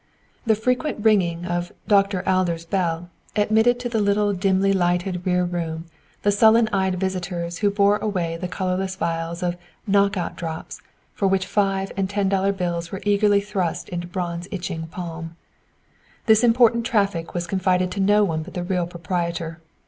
The frequent ringing of "Doctor Adler's" bell admitted to the little dimly lighted rear room the sullen eyed visitors who bore away the colorless vials of "knock out drops," for which five and ten dollar bills were eagerly thrust into Braun's itching palm. This important traffic was confided to no one but the real proprietor.